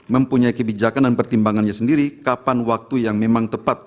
mempunyai kebijakan dan pertimbangannya sendiri kapan waktu yang memang tepat